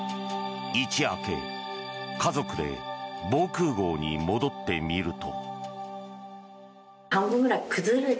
一夜明け家族で防空壕に戻ってみると。